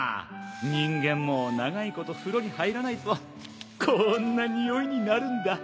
人間も長いこと風呂に入らないとこんなにおいになるんだ